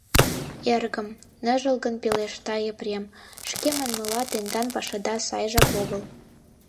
— Эргым, — ныжылгын пелешта Епрем, — шке манмыла, тендан пашада сайжак огыл.